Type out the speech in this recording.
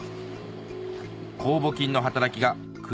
酵母菌の働きが蔵